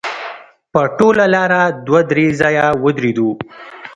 په ټوله لاره دوه درې ځایه ودرېدو.